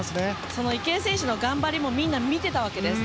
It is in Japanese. その池江選手の頑張りもみんな見てたわけです。